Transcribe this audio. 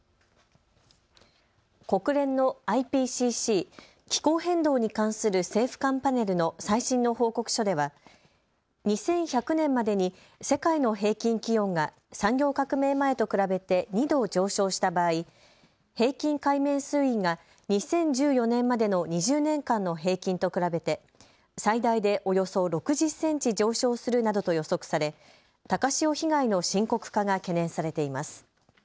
国連のＩＰＣＣ・気候変動に関する政府間パネルの最新の報告書では２１００年までに世界の平均気温が産業革命前と比べて２度上昇した場合、平均海面水位が２０１４年までの２０年間の平均と比べて最大でおよそ６０センチ上昇するなどと予測され、高潮被害の深刻化が懸念されています。